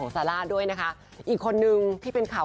คุณผู้ชมค่ะคุณผู้ชมค่ะ